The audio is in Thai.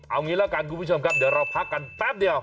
เอางี้ละกันคุณผู้ชมครับเดี๋ยวเราพักกันแป๊บเดียว